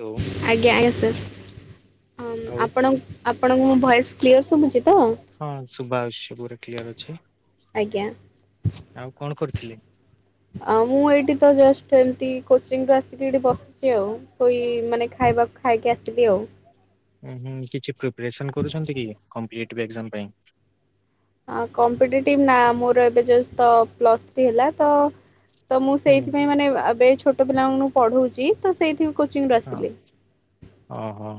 ହଉ ଆଜ୍ଞା ଆଜ୍ଞା, ଆଉ ସାର୍ ଆପଣ ଆପଣଙ୍କ ମୋ ଭଏସ କ୍ଲିୟର ଶୁଭୁଚି? ହଁ ଶୁଭା ଯାଉଚି ପୁରା କ୍ଳିଅର ଅଛି ଆଜ୍ଞା। ଆଉ କଣ କରୁ ଫିଲିମ୍। ଆ ମୁଁ ଏଇଠି ତ ଜଷ୍ଟ ଏମତି କୋଚିଂ ରୁ ଆସିକି ଏଠି ବସିଛି ଆଉ ସୋଇ ମାନେ ଖାଇ ଖାଇବା ଖାଇକି ଆସିଲି ଆଉ। ଉଁ ହୁଁ କିଛି ପ୍ରିପରେସନ୍ କରୁଛନ୍ତି କି କମ୍ପିଲିଟିଭି ଏଜାମ୍ ପାଇଁ? କମ୍ପିେଟିଭ ନା ମୋର ଏବେ ଯୋଉ ତ ପ୍ଲସ୍ ଥ୍ରୀ ହେଲା ତ ତ ମୁଁ ହୁଁ ସେଇଥିପାଇଁ ମାନେ ଏବ୍ ଏବେ ଏଇ ଛୋଟ ପିଲାଙ୍କୁ ପଢଉଛି ତ ସେଇଥି କୋଚିଂରୁ ହଁ ଆସିଲି। ଓହୋ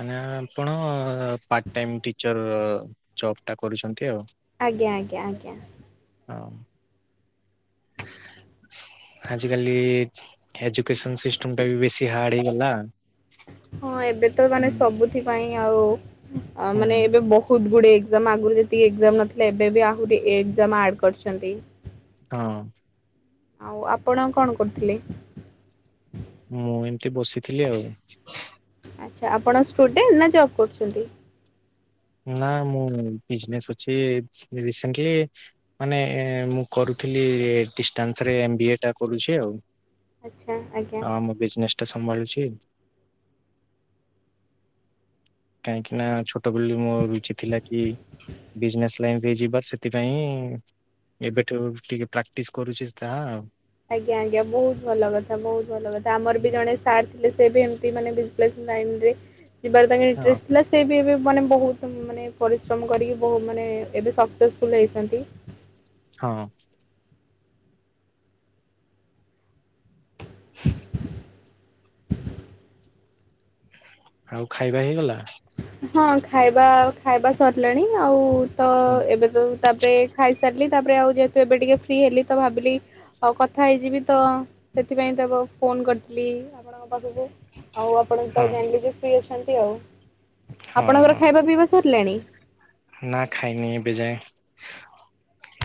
ମାନେ ଆପଣ ପାର୍ଟ ଟାଇମ୍ ଟିଚର୍ ଜବ୍ଟା କରୁଛଚନ୍ତି ଆଉ। ଆଜ୍ଞା ଆଜ୍ଞା ଆଜ୍ଞା। ହଁ। ହ ଆଜିକାଲି ଏ ଏଜୁକସନ ସିଷ୍ଟମ ଟା ବି ବେଶୀ ହାର୍ଡ ହେଇଗଲା। ହଁ ଏବେ ତ ହୁଁ ମାନେ ସବୁଥିପାଇଁ ଆଉ ମାନେ ହୁଁ ଏବେ ବହୁତ ଗୁଡେ ଏକଜାମ୍ ଆଗୁରୁ ଯେତିକି ଏକଜାମ୍ ନଥିଲା ଏବେ ବି ଆହୁରି ଏକଜାମ୍ ଆଡ଼ କରିଛନ୍ତି। ହଁ। ଆଉ ଆପଣ କଣ କରୁଥିଲେ? ମୁଁ ଏମିତି ବସିଥିଲି ଆଉ। ଆଚ୍ଛା ଆପଣ ଷ୍ଟୁଡେଣ୍ଟ ନା ଜବ୍ କରୁଛନ୍ତି? ନାଇଁ ମୁଁ ବିଜ୍ନେସ ଅଛି ରିସେଣ୍ଟଲି ମାନେ ମୁଁ କରୁ ଥିଲି ଡିଷ୍ଟାନ୍ସ ରେ ଏମ୍ ବି ଏ ଟା କରୁଛି ଆଉ। ଆଚ୍ଛା ଆଜ୍ଞା। ଏଇଟା ସମ୍ଭାଳୁଚି। କାହିଁକି ନା ଛୋଟ ବୋଲି ମୋ ରୁଚି ଥିଲା କି ବିଜନେସ ଲାଇନରେ ଯିବା ସେଥିପାଇଁ ଏବେଠୁ ଟିକେ ପ୍ରାକ୍ଟିସ୍ କରୁଛି ତାହା ଆଉ। ଆଜ୍ଞା ଆଜ୍ଞା ବହୁତ ଭଲ କଥା ବହୁତ ଭଲ କଥା। ଆମର ବି ଜଣେ ସାର୍ ଥିଲେ ସେ ବି ଏମତି ମାନେ ବିଜଲେସ୍ ଲାଇନରେ ଯିବାର ତାଙ୍କର ହଁ ଇଣ୍ଟରେଷ୍ଟ୍ ଥିଲା ସେ ବି ଏବେ ମାନେ ବହୁତ ମାନେ ପରିଶ୍ରମ କରିକି ବହୁ ମାନେ ଏବେ ସକ୍ସେସଫୁଲ ହେଇଛନ୍ତି। ହଁ। ଆଉ ଖାଇବା ହେଇଗଲା? ହଁ ଖାଇବା ଖାଇବା ସରିଲାଣି ଆଉ ତ ହୁଁ, ଏବେ ତ ତାପରେ ଖାଇସାରିଲି ତାପରେ ଆଉ ଯେହେତୁ ଏବେ ଟିକେ ଫ୍ରି ହେଲି ତ ଭାବିଲି ଆଉ କଥା ହେଇଯିବି ତ ସେଥିପାଇଁ ତବେ ଫୋନ କରିଥିଲି ଲି ଆପଣଙ୍କ ପାଖକୁ। ଆଉ ଆପଣ ତ ହଁ ଜାଣିଲେ ଯେ ଫ୍ରି ଅଛନ୍ତି ଆଉ। ହଁ ଆପଣଙ୍କର ହଁ ଖାଇବା ପିଇବା ସରିଲାଣି? ନା ଖାଇନି ଏବେ ଯାଏ।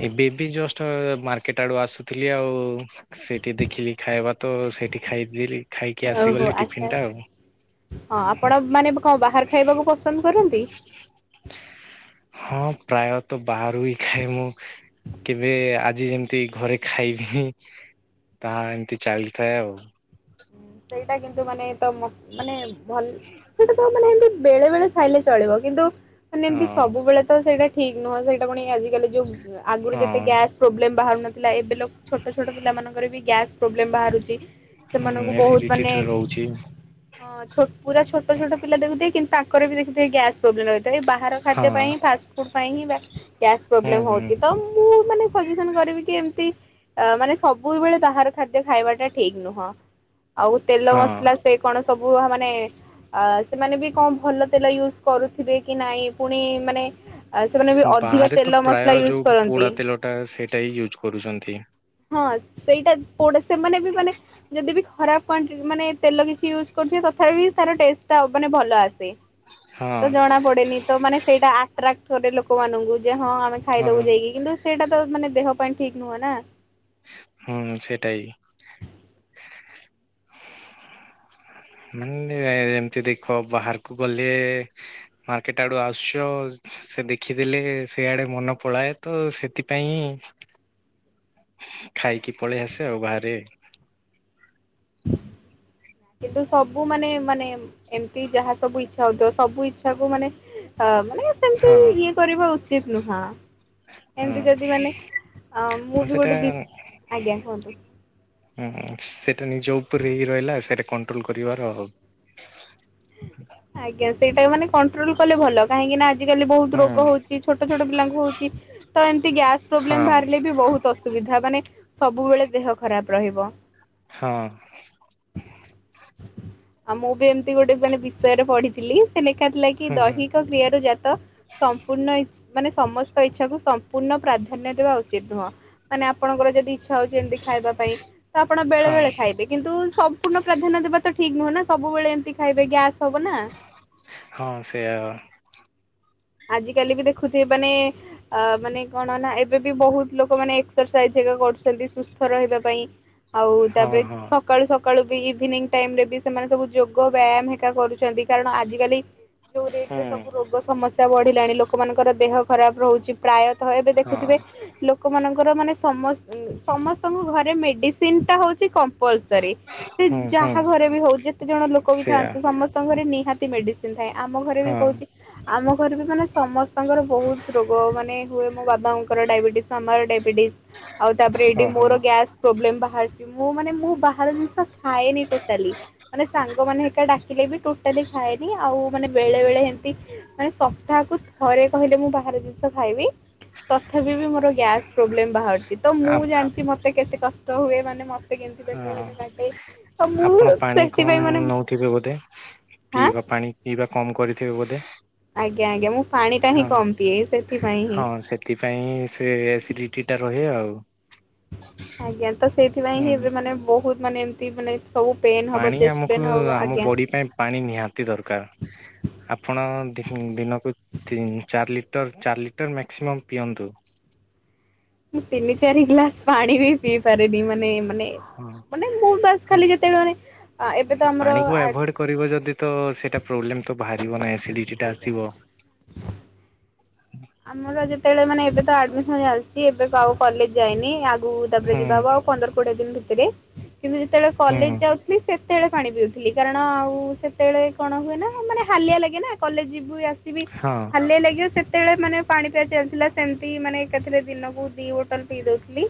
ଏବେ ଏବେ ଜଷ୍ଟ ମାର୍କେଟ ଆଡୁ ଆସୁଥିଲି ଆଉ ସେଇଠି ଦେଖିଲି ଖାଇବା ତ ତ ସେଇଠି ଖାଇଦେଇଥିଲି। ଓହୋ ଆଚ୍ଛା ଆଚ୍ଛା। ହଁ ଆପଣ ମାନେ କଣ ବାହାର ଖାଇବାକୁ ପସନ୍ଦ କରନ୍ତି? ହଁ ପ୍ରାୟତଃ ବାହାରୁ ହିଁ ଖାଏ ମୁଁ କେବେ ଆ ଆଜି ଯେମତି ଘରେ ଖାଇନି ତାହା ଏମିତି ଚାଲିଥାଏ ଆଉ। ସେଇଟା କିନ୍ତୁ ମାନେ ତ ମାନେ ଭଲ ସେଟା ତ ମାନେ ଏମତି ବେଳେ ବେଳେ ଖାଇଲେ ଚଳିବ କିନ୍ତୁ ମାନେ ଏମତି ହଁ। ସବୁବେଳେ ତ ସେଇଟା ଠିକ୍ ନୁହଁ, ସେଇଟା ପୁଣି ଆଜିକାଲି ଯୋଉ ଆଗରୁ ଯେତେ ହଁ ଗ୍ୟାସ ପ୍ରୋବ୍ଲେମ ବାହାରୁନ ଥିଲା ଏବେ ଲୋକ୍ ଛୋଟ ଛୋଟ ପିଲାମାନଙ୍କର ବି ଗ୍ୟାସ ପ୍ରୋବ୍ଲେମ ବାହାରୁଛି। ହୁଁ ସେମାନଙ୍କୁ ବହୁତ ଏସିଡିଟି ମାନେ ଟା ରହୁଛି ହଁ ପୁରା ହଁ ଛୋଟ ଛୋଟ ପିଲା ତାକୁ ଦିଏ କିନ୍ତୁ ତାଙ୍କର ବି ଦେଖିଥିବେ ଗ୍ୟାସ୍ ପ୍ରୋବ୍ଲେମ ରହିଥାଏ। ବାହାର ହଁ ଖାଦ୍ୟ ପାଇଁ, ଫାଷ୍ଟ ଫୂଡ଼ ପାଇଁ ହିଁ ଗ୍ୟାସ ହୁଁ ପ୍ରୋବ୍ଲେମ ହୁଁ। ହଉଚି ତ। ମୁଁ ମାନେ ସ ସିଚିସନ କରିବିକି ଏମତି ଅ ମାନେ ସ ସବୁବେଳେ ବାହାର ଖାଦ୍ୟ ଖାଇବାଟା ଠିକ୍ ନୁହଁ। ଆଉ ତେଲ ହଁ ମସଲା ସେ କଣ ସ ସବୁ ମାନେ ଅ ସେମାନେ ବି କଣ ଭଲ ତେଲ ୟୁଜ୍ କରୁଥିବେ କି ନାଇଁ? ପୁଣି ମାନେ ଆ ସେମାନେ ବି ଅଧିକ ବାହାରେ ତ ତେଲ ମସଲା ପ୍ରାୟ ୟୁଜ ଯୋଉ କରନ୍ତି। ପୋଡା ତେଲଟା ସେଇଟା ହିଁ ୟୁଜ୍ କରୁଛନ୍ତି। ହଁ ସେଇଟା କୋଉଟା ସେମାନେ ବି ମାନେ ଯଦି ବି ଖରାପ କଣ୍ଟି ମାନେ ତେଲ କିଛି ୟୁଜ କରୁ ସେ ତଥାପି ତାର ଟେଷ୍ଟ ଟା ମାନେ ଭଲ ଆସ୍ ସେ ହଁ ତ ଜଣା ପଡେନି ତ ମାନେ ସେଇଟା ଆଟ୍ରାକ୍ଟ କରେ ଲୋକମାନଙ୍କୁ। ଯେ ହଁ ଆମେ ହଁ ଖାଇଦବୁ ଯାଇକି କିନ୍ତୁ, ସେଇଟା ତ ମାନେ ଦେହ ପାଇଁ ଠିକ ନୁହଁ ନା। ହୁଁ ସେଟାଇ। ମାନେ ଏମତି ଦେଖ ବାହାରକୁ ଗଲେ, ମାର୍କେଟ ଆଡୁ ଆସୁଛ। ସେ ଦେଖିଦେଲେ ସେଆଡେ ମନ ପଳାଏତ। ସେଥିପାଇଁ ଖାଇକି ପଳେଇ ଆସେ ଆଉ ବାହାରେ କିନ୍ତୁ, ସବୁ ମାନେ ମାନେ ଏମତି ଯାହା ସବୁ ଇଛା ହଉଥିବ ସବୁ ଇଚ୍ଛା କୁ ମାନେ ଅ ମାନେ ସେମିତି ହଁ। ଇଏ କରିବା ଉଚିତ ନୁହଁ। ହଁ ଏମତି ଯଦି ମାନେ ହଁ ଅ-ମୁବି ସେଟା ଗୋଟେ ବିସ୍ ଆଜ୍ଞା କୁହନ୍ତୁ। ହୁଁ ସେଇଟା ନିଜ ଉପରେ ଇଏ ରହିଲା ସେଇଟା କଣ୍ଟ୍ରୋଲ କରିବାର ଆଉ। ଆଜ୍ଞା ସେଇଟା ମାନେ କଣ୍ଟ୍ରୋଲ କଲେ ଭଲ। କାହିଁକି ନା ଆଜିିକାଲି ବହୁତ ହୁଁ ରୋଗ ହଉଛି ଛୋଟ ଛୋଟ ପିଲାଙ୍କୁ ହଉଛି ତ ଏମିତି ଗ୍ୟାସ୍ ପ୍ରୋବ୍ଲେମ ହଁ ବାହାରିଲେ ବି ବହୁତ ଅସୁ ସୁବିଧା ମାନେ ସବୁବେଳେ ଦେହ ଖରାପ ରହିବ। ହଁ! ଆଉ ମୁଁ ବି ଏମିତି ଗୋଟେ ଜଣେ ବିଷୟରେ ପଢିଥିଲି!। ଲେଖା ଥିଲା କି ହୁଁ। ହୁଁ ଦୈହିକ କ୍ରିୟାରୁ ଜାତ ସମ୍ପୂର୍ଣ୍ଣ ଇଛ୍ ମାନେ ସମସ୍ତ ଇଚ୍ଛାକୁ ସମ୍ପୂର୍ଣ୍ଣ ପ୍ରାଧାନ୍ୟ ଦେବା ଉଚିତ ନୁହଁ। ମାନେ ଆପଣଙ୍କର ଯଦି ଇଛା ଖାଉଛନ୍ତି ଖାଇବା ପାଇଁ ତ ଆପଣ ବେଳେ ହଁ ବେଳେ ଖାଇବେ। କିନ୍ତୁ ସମ୍ପୂର୍ଣ୍ଣ ପ୍ରାଧାନ୍ୟ ଦେବା ତ ଠିକ୍ ନୁହଁ ନା ସବୁବେଳେ ଏମତି ଖାଇବେ ଗ୍ୟାସ୍ ହବ ନା। ହଁ ସେଇଆ ଆଜ କାଲି ବି ଦେଖୁଥିବେ, ମାନେ ଅ ମାନେ କଣ ନା ଏବେ ବି ବହୁତ ଲୋକ ମାନେ ଏକ୍ସରସାଇଜ ହେରିକା କରୁଛନ୍ତି ସୁସ୍ଥ ରହିବା ପାଇଁ। ଆଉ ହଁ ତାପରେ ହଁ। ସକାଳୁ ସକାଳୁ ବି ଇଭିନିଂ ଟାଇମ ରେ ବି ସେମାନେ ସବୁ ଯୋଗ ବ୍ୟାୟାମ ହେକା କରୁ ଚନ୍ତି। କାରଣ ଆଜ କାଲି ଯୋଉ ରେଟ୍ ରେ ସବୁ ରୋଗ ସମସ୍ୟା ବଢିଲାଣି ଲୋକମାନଙ୍କର ଦେହ ଖରାପ ରହୁଛି। ପ୍ରାୟତଃ ଏବେ ହଁ ଦେଖୁଥିବେ, ଲୋକମାନଙ୍କର ମାନେ ସମ ସମସ୍ତଙ୍କ ଘରେ ମେଡିସିନ ଟା ହଉଛି କମ୍ ପଲସରୀ। ସେ ହୁଁ ହୁଁ ଯାହା ଘରେ ବି ହଉ, ଯେତେ ଜଣ ଲୋକ ବି ସେଇଆ ଥାନ୍ତୁ! ସମସ୍ତଙ୍କ ଘରେ ନିହାତି ମେଡିସିନ ଥାଏ। ଆମ ଘରେ ବି ହଁ କହୁଚି ଆମ ଘରେ ବି ମାନେ ସମସ୍ତଙ୍କର ବହୁତ ରୋଗ ମାନେ ହୁଏ। ମୋ ବାବାଙ୍କର ଡାଇବେଟିସ୍, ଆମର ଡାଇ ବେଟିସ୍। ଆଉ ତାପରେ ଏଠି ଓହୋ। ମୋର ଗ୍ୟାସ ପ୍ରୋବ୍ଲେମ ବାହା ଫାଷ୍ଟ, ମୁଁ ମାନେ ମୁଁ ବାହର ଜିନିଷ ଖାଏନି ଟୋଟାଲି। ମାନେ ସାଙ୍ଗମାନେ ହେଇକା ଡାକିଲେ ବି ଟୋଟା ଲି ଖାଏନି ଆଉ ମାନେ ବେଳେ ହୁଁ ବେଳେ ହେମତି ମାନେ ସପ୍ତାହକୁ ଥରେ କହିଲେ, ମୁଁ ବାହହାର ଜିନିଷ ଖାଇବି। ତଥାପି ବି ମୋର ଗ୍ୟାସ୍ ପ୍ରୋବ୍ଲେମ ବାହାରୁିଛି। ତ ମୁଁ ଆ ଜାଣିଛି ମତେ କେତେ କଷ୍ଟ ହୁଏ ମାନେ ମ କେମତି ପେଟ ହଁ ଫେଟ କାଟେ। ଆଉ ମୁଁ ଆପଣ ପାଣି କମ୍ ସେଥିପାଇଁ ମାନେ ନଉଥିବେ ବୋଧେ? ହାଁ ପିଇବା ପାଣି ପିଇବା କମ କରିଥିବେ ବୋଧେ? ଆଜ୍ଞା ଆଜ୍ଞା ମୁଁ ପାଣି ଟା ହିଁ ହଁ, କମ୍ ପିଏ ସେଥିପାଇଁ ହିଁ। ହଁ ସେଥିପାଇଁ ସେ ଏସିଡିଟି ଟା ରହେ ଆଉ। ଆଜ୍ଞା। ତ ସେଇଥିପାଇଁ ହିଁ ହୁଁ। ଏବେ ମାନେ ବହୁତ ମାନେ ଏମତି ମାନେ ସବୁ ପେନ୍ ହବ ପାଣି ଚେଷ୍ଟ ଆମକୁ ପେନ୍ ହବ ଆମ ଆଜ୍ଞା। ବଡି ପାଇଁ ପାଣି ନିହାତି ଦରକାର ଆପଣ ଦିନକୁ ଚାରି ଲିଟର ଚାରି ଲିଟର ମା୍କ୍ସିମମ୍ ପିଅନ୍ତୁ। ମୁ ତିନି ଚାରି ଗ୍ଲାସ ପାଣି ବି ପିଇ ପାରନି ମାନେ ମାନେ ହଁ। ମାନେ ମୁଁ ବାସ ଖାଲି ଯେତେବେଳେ ମାନେ ଏବେ ସେ ତ ଆମର ପାଣିକୁ ଆଭଏଡ୍ କରିବ ଯଦି ତ ସେଇଟା ପ୍ରୋବ୍ଲେମ ତ ବାହାରିବ ନା ଏସିଡିଟିଟା ଆସିବ। ଆମର ଯେତେବେଳେ ମାନେ ଏବେ ତ ଆଡମିସନ ଚାଲିଛି। ଏବେ ଆଉ କଲେଜ ଯାଇନି ଆଗକୁ ତାପରେ ହୁଁ ଯିବା ହବ ଆଉ ପନ୍ଦର କୋଡିଏ ଦିନ ଭିତରେ କିନ୍ତୁ ଯେତେବେଳେ ହୁଁ କଲେଜ ଯାଉଥିଲି ସେତେବେଳେ ପାଣି ପିଉଥିଲି କାରଣ ଆଉ ସେତେବେଳେ କଣ ହୁଏ ନା ମାନେ ହାଲିଆ ଲାଗେ ନା କଲେଜ ଯିବୁ ଆସିବି ହଁ ହାଲିଆ ଲାଗିବ ସେ ମାନେ ପାଣି ପିଆ ଚାଲିଥିଲା ସେମିତି ମାନେ ଏକାଥ ରେ ଦିନକୁ ଦି ବୋଟଲ ପିଇ ଦଉଥିଲି।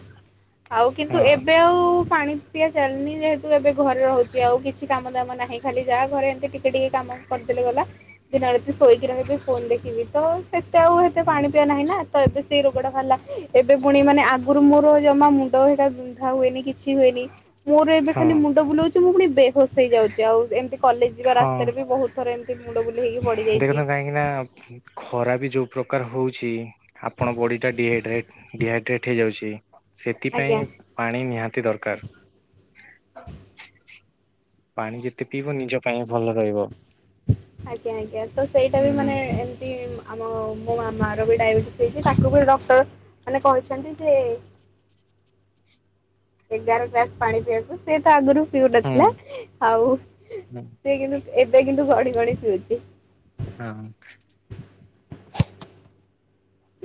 ଆଉ କିନ୍ତୁ ହଁ ଏବେ ଆଉ ପାଣି ପିଆ ଚାଲୁନି ଯେହେତୁ ଏବେ ଘରେ ରହୁଛି ଆଉ କିଛି କାମ ଦାମ ନାହିଁ ଖାଲି ଯାହା ଘରେ ଏମତି କିଛି ଟିକେ ଟିକେ କାମ କରିଦେଲେ ଗଲା ଦିନ ରାତି ଶୋଇକି ରହିବି ଫୋନ ଦେଖିବି ତ ସେ ଏବେ ଆଉ ହେତେ ସେ ହୁଁ ପାଣି ପିଆ ନାହି ନା ତ ଏବେ ସେ ସେଇ ରୋଗ ଟା ବାହାରିଲା ଏବେ ପୁଣି ମାନେ ଆଗରୁ ମୋର ଜମା ମୁଣ୍ଡ ହେଈଟା ବିନ୍ଧା ହୁଏନି କି କିଛି ହୁଏନି ମୋର ଏବେ ହଁ। ଖାଲି ମୁଣ୍ଡ ବୁଲଉଛି ମୁଁ ପୁଣି ବେହୋସ ହେଇଯାଉଛି ଆଉ ଏମତି କଲେଜ ଯିବା ହଁ ରାସ୍ତାରେ ବି ବହୁତ ଥର ଏମତି ଦେଖନ୍ତୁ କାହିଁକି ନା ଖରା ବି ଯୋଉ ପ୍ରକାର ହଉଛି। ଆପଣ ବଡି ଟା ଡିଇଡ୍ରେଟ ଡିହାଇଡ୍ରେଟ ହେଇଯାଉଛି ଆଜ୍ଞା ସେଥିପାଇଁ ପାଣି ନିହାତି ଦରକାର ପାଣି ଯେତେ ପିଇବ ନିଜ ପାଇଁ ଭଲ ରହିବ। ଆଜ୍ଞା ଆଜ୍ଞା ତ ସେଇଟା ହୁଁ ବି ହୁଁ ମାନେ ଏମତି ଆମ ମୋ ମା ର ବି ଡାଇବେଟିସ୍ ହେଇଛି ତାକୁ ବି ଡକ୍ଟର ମାନେ କହିଛନ୍ତି ଯେ ଏଗାର ଗ୍ଲାସ ପାଣି ପିଇବାକୁ ସେ ତ ଆଗରୁ ହୁଁ ପିଉନଥିଲା ଆଉ ସେ କିନ୍ତୁ ଏବେ କିନ୍ତୁ ଗଡିି ଗଡି ପିଉଛି। ହଁ।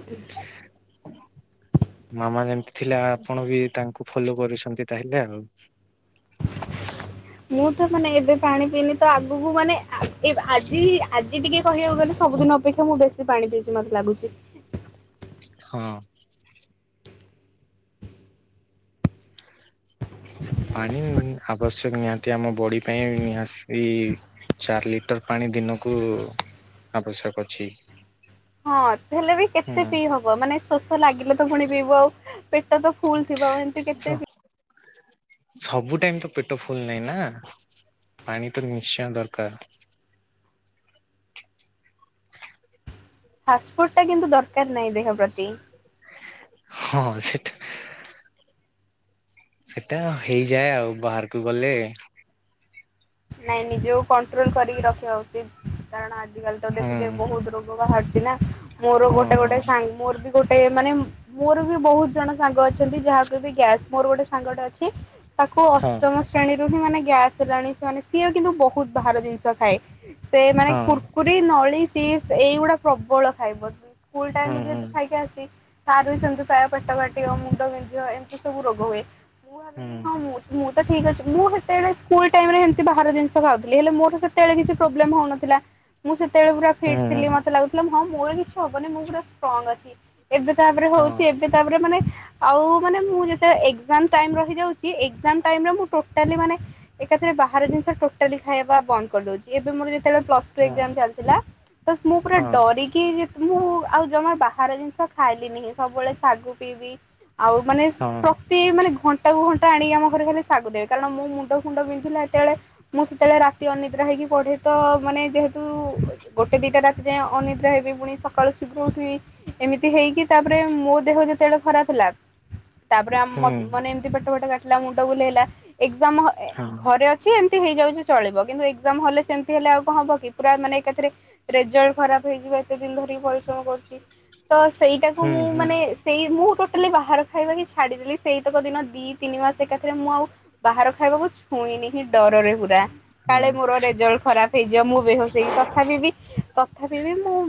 ହଁ। ମାମା ଯେମିତି ଥିଲା ଆପଣ ବି ତାଙ୍କୁ ଫଲୋ କରୁଛନ୍ତି ତାହେଲେ ଆଉ। ମୁଁ ତ ମାନେ ଏବେ ପାାଣି ପିଇନି ତ ଆଗକୁ ମାନେ ଆଜି ଆଜି ଟିକେ କହିବାକୁ ଗଲେ ସବୁଦିନ ଅପେକ୍ଷା ମୁଁ ବ ପାଣି ପିଇଛି ମତେ ଲାଗୁଛି। ହଁ। ପାଣି ଆବଶ୍ୟକ ନିହାତି ଆମ ବଡି ପାଇଁ ନିହାତି ଚାରି ଲିଟର ପାଣି ଦିନକୁ ଆବଶ୍ୟକ ଅଛି। ହଁ ହେଲେ ବି ହୁଁ। କେତେ ପିଇ ହବ ମାନେ ଶୋଷ ଲାଗିଲେ ତ ପୁଣି ପିଇବୁ ଆଉ ପେଟ ତ ଫୁଲ ଥିବ ଏମିତି କେତେ? ତ ସବୁ ଟାଇମ ତ ପେଟ ଫୁଲ ନାହିଁ ନା ପାଣିଟା ନିଶ୍ଚୟ ଦରକାର ଫାସି ଟା କିନ୍ତୁ ଦରକାର ନାହିଁ ଦେହ ପ୍ରତି ହଁ ସେଠୁ ସେଟା ହେଇଯାଏ ଆଉ ବାହାରକୁ ଗଲେ ନାଇଁ ନିଜକୁ କଣ୍ଟ୍ରୋଲ କରିକି ରଖିବା ଉଚିତ କାରଣ ଆଆ,, ଆଜିକାଲି ତ ହୁଁ ଦେଖୁଛ ବହୁତ ରୋଗ ବାହାରୁଛି ନା ମୋର ହଁ ଗୋଟେ ଗୋଟେ ହଁ ସାଙ୍ଗ ମୋର ବି ଗୋଟେ ମାନେ ମୋର ବି ବହୁତ ଜଣ ସାଙ୍ଗ ଅଛନ୍ତି ଯାହାକୁ ଗ୍ୟାସ ମୋର ଗୋଟେ ସାଙ୍ଗଟେ ଅଛି ତାକୁ ଅଷ୍ଟମ ଶ୍ରେଣୀରୁ ହିଁ ମାନେ ଗ୍ୟାସ ହେଲାଣି ସୋନେ ସିଏ କିନ୍ତୁ ବହୁତ ବାହାର ଜିନିଷ ଖାଏ। ସେ ମାନେ ହଁ କୁର୍କୁରିୀ ନଳି ଚିପ୍ ଏଇଗୁଡା ପ୍ରବଳ ଖାଏ। ସ୍କୁଲ ହଁ ହୁଁ ଟାଇମରୁ ହୁଁ ଖାଇକି ଆସିଛି। ତାର ବି ସେମିତି ପେଟ କାଟିବ ମୁଣ୍ଡ ବିନ୍ଦିବ ଏମିତି ସବୁ ରୋଗ ହୁଏ। ହୁଁ। ଠିକ ଅଛି ମୁଁ ସେତେବେଳେ ସ୍କୁଲ ଟାଇମ ରେ ବାହାର ଜିନିଷ ଖାଉଥିଲେ ହେଲେ ମୋର ସେତେବେଳେ କିଛି ପ୍ରୋବ୍ଲେମ ହଉନଥିଲା। ମୁଁ ସେତେବେଳେ ପୁର ଫିଟ ହୁଁ ହୁଁ ଥିଲି ମତେ ଲାଗୁଥିଲା ହଁ ମୋର କିଛି ହବନି ମୁଁ ପୁର ଷ୍ଟ୍ରଙ୍ଗ ଅଛି। ଏବେ ତାପରେ ହଁ ହଉଛି ଏବେ ତାପରେ ମାନେ ଆଉ ମାନେ ମୁଁ ଯେତେଳେ ଏକ୍ଜାମ ଟାଇମ ରହିଯାଉଛି ଏକ୍ସମ୍ ଟାଇମରେ ମୁଁ ଟୋଟାଲି ମାନେ ଏକାଥରେ ବାହାର ଜିନିଷ ଟୋଟାଲି ଖାଇବା ବନ୍ଦ କରିଦଉଛି ଏବେ ମୋର ସେତେବେଳେ ପ୍ଲସଟୁ ହଁ ଏକ୍ସଯାମ ଚାଲିଥିଲା ମୁଁ ପୁରା ହଁ ଡରିକି ମୁଁ ଆଉ ଜମା ବାହାର ଜିନିଷ ଖାଇଲିନି ସବୁବେଳେ ଶାଗୁ ପିଇବି ଆଉ ମାନେ ହଁ ପ୍ରତି ମାନେ ଘଣ୍ଟା କୁ ଘଣ୍ଟା ଆଣିକି ଆମ ଘରେ ଖାଲି ଶାଗୁ ଦେବେ କାରଣ ମୁଁ ମୁଣ୍ଡ ଫୁଣ୍ଡ ବିନ୍ଧିଲା। ସେତେବେଳେ ମୁଁ ସେତେବେଳେ ରାତି ଅନିଦ୍ରା ହେଇକି ପଢେ ତ ମାନେ ଯେହେତୁ ଗୋଟେ ଦିଟା ରାତି ଯାଏଁ ଅ ଅନିଦ୍ରା ହେବ ପୁଣି ସକାଳୁ ଶୀଘ୍ର ଉଠିବି ଏମିତି ହେଇକି ତାପରେ ମୋ ଦେହ ଯେତେଳେ ଖରାପ ଥିଲା ତାପରେ ହୁଁ ମାନେ ଏମିତି ପେଟ ପଟ କା ମୁଣ୍ଡବୁଲେଈଲା ଏକ୍ସ ଏ ହଁ ଘରେ ହେଇଯାଉ ଚଳିବ କିନ୍ତୁ ଏକଜାମ ହଲରେ ସେମତି ହେଲେ ଆଉ କଣ ହବ କି ପୁରା ମାନେ ଏକରେଲଟ ଖରାପ ହେଇ ଏତେ ଦିନ ଧରିକି ପରିଶ୍ରମ କରୁଛି ତ ସେଇଟାକୁ ହୁଁ ମୁଁ ହୁଁ ମାନେ ସେଇ ମୁଁ ହେଲେ ବାହାର ଖାଇବାକ ଛାଡିଦେଲି ସେଇତକ ଦିନ ଦିଇ ତିନି ମାସ ଏକା ରେ ମୁଁ ଆଉ ବାହାର ଖାଇବାକୁ ଛୁଇଁନି। ଡରରେ। ପ ହଁ କାଳେ ମୋର ରେଜଲ୍ଟ ଖରାପ ହେଇଯିବ ମୁଁ ବେହୋସ ହେଇ ତଥାବି ତଥାବି ମୁଁ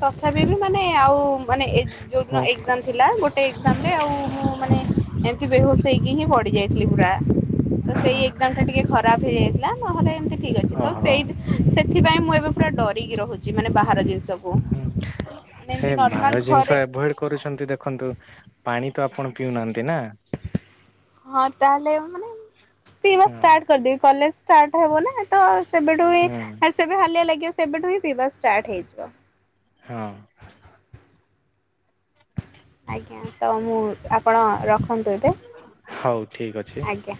ତଥାପ ବି ମାନେ ଆଉ ମାନେ ଏ ଯୋଉ ମୁଁ ଏକ୍ସଯାମ ଥିଲା ଗୋଟେ ଏକ୍ସଯାମ ରେ ଆଉ ମୁଁ ମାନେ ଏମିତି ବେହୋସ ହେଇକି ହିଁ ବଡିି ଯାଇଥିଲି। ସେ ହଁ ଏକ୍ସଯାମ ଟା ଟିକେ ଖରାପ ହେଇଯାଇଥିଲା ନହେଲେ ଏମତି ଠିକ ଅଛି ତ ସେ ଓହୋ ସେଥିପାଇଁ ମୁଁ ଏବେ ପୁରା ଡରିକି ରହୁଛି ମାନେ ବାହାର ଜିନିଷ ହୁଁ ସେ ଭଲ ଘରେ ଜିନିଷ ଏଭଏଡ କରୁଛନ୍ତି ଦେଖନ୍ତୁ ପାଣି ତ ଆପଣ ପିଉନାହାନ୍ତି ନାଁ। ହଁ ତାହେଲେ ମାନେ ପିଇବାଟ କରିଦେବି କଲେଜ ଟ ହବ ନାଁ ତ ସେବେଠୁ ହୁଁ ହ ସେବେ ହାଲିଆ ଲାଗିବ ସେବେଠୁ ହ ପିଇବା ଷ୍ଟାର୍ଟ ହେଇଯିବ। ହଁ। ଆଜ୍ଞା ତ ମୁଁ ଆପଣ ରଖ- [inaudible] ଏବେ ହଉ ଠିକ ଅଛି ଆଜ୍ଞା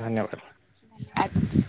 ଧନ୍ୟବାଦ। ଆଜ୍ଞା।